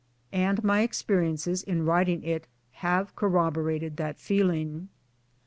And my experiences in writing it have corroborated that feeling.